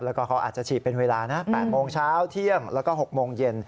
แล้วก็เขาอาจจะฉีดเป็นเวลานะ๘โมงเช้าเที่ยงแล้วก็๖โมงเย็น